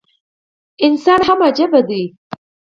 انسان هم عجيبه دی